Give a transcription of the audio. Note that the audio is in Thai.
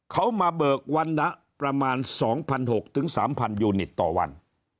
เขามาเบิกวันละประมาณ๒๖๐๐๓๐๐ยูนิตต่อวัน